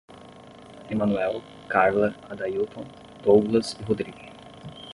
Emanoel, Carla, Adaílton, Douglas e Rodrigo